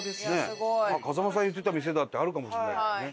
「風間さん言ってた店だ」ってあるかもしれないからね。